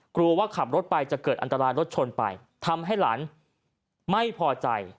กลัวว่าขับรถไปจะเกิดอันตรายรถชนไปทำให้หลานไม่พอใจ